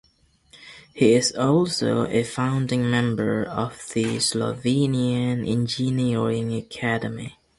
He is also a founding member of the Slovenian Engineering Academy.